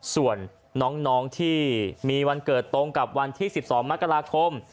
ส่วนน้องที่มีวันเกิดตรงกับวันที่๑๒มกราคม